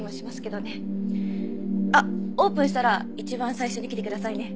あっオープンしたら一番最初に来てくださいね。